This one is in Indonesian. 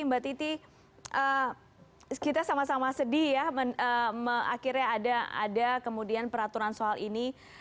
mbak titi kita sama sama sedih ya akhirnya ada kemudian peraturan soal ini